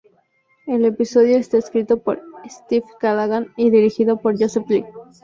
El episodio está escrito por Steve Callaghan y dirigido por Joseph Lee.